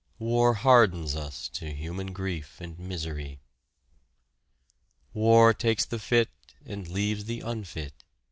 War hardens us to human grief and misery. War takes the fit and leaves the unfit.